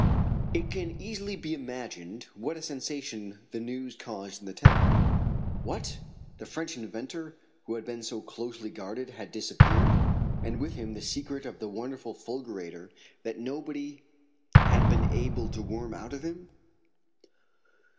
It can easily be imagined what a sensation the news caused in the town. What! the French inventor who had been so closely guarded had disappeared, and with him the secret of the wonderful fulgurator that nobody had been able to worm out of him?